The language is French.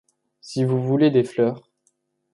Si vous voulez des fleurs